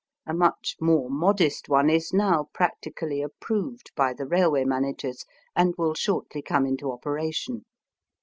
A much more modest one is now practically approved by the railway managers, and will shortly come into operation.